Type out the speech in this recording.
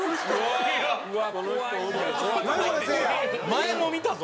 前も見たぞ！